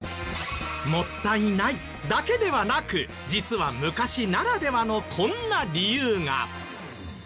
「もったいない」だけではなく実は昔ならではのこんな理由が。